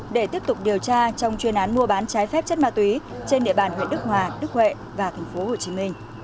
để tiếp tục điều tra trong chuyên án mua bán trái phép chất ma túy trên địa bàn huyện đức hòa đức huệ và tp hcm